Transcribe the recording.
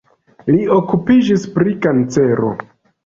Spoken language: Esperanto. Li okupiĝis pri kancero.